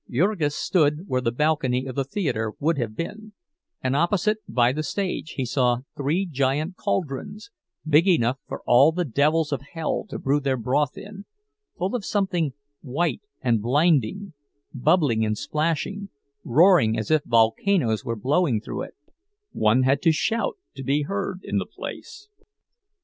Jurgis stood where the balcony of the theater would have been, and opposite, by the stage, he saw three giant caldrons, big enough for all the devils of hell to brew their broth in, full of something white and blinding, bubbling and splashing, roaring as if volcanoes were blowing through it—one had to shout to be heard in the place.